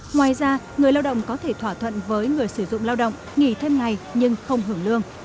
ngoài ra người lao động có thể thỏa thuận với người sử dụng lao động nghỉ thêm ngày nhưng không hưởng lương